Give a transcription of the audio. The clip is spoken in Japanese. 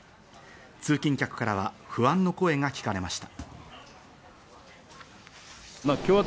通勤客からは不安の声が聞かれました。